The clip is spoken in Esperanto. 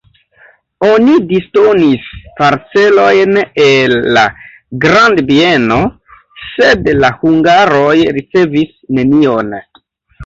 Oni disdonis parcelojn el la grandbieno, sed la hungaroj ricevis nenion.